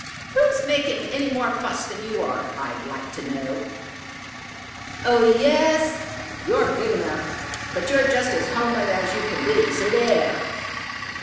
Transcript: "Who's making any more fuss than you are, I'd like to know?" "Oh, yes. You're big enough, but you're just as homely as you can be. So there!"